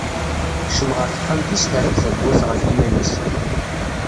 Tekcem ɣer texxamt-is terra-d tawwurt ɣef yiman-is.